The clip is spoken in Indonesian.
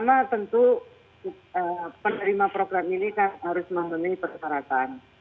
yang pertama tentu penerima program ini harus memenuhi persyaratan